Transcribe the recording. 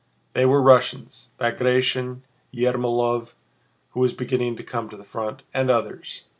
They were Russians: Bagratión, Ermólov (who was beginning to come to the front), and others.